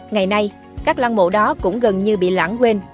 ngày nay các lăng mộ đó cũng gần như bị lãng quên